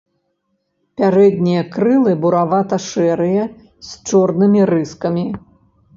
Пярэднія крылы буравата-шэрыя з чорнымі рыскамі.